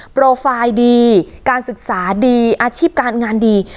โปรไฟล์ดีการศึกษาดีอาชีพการงานดี